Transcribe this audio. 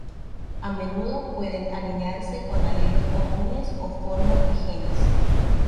A menudo pueden alinearse con alelos comunes o formas de genes.